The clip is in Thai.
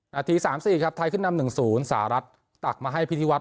นาที๓๔ครับไทยขึ้นนำ๑๐สหรัฐตักมาให้พิธีวัฒ